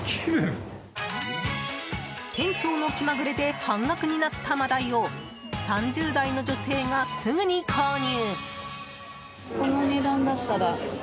店長の気まぐれで半額になった真鯛を３０代の女性がすぐに購入。